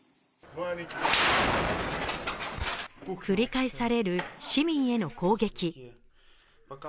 繰り返される市民への攻撃。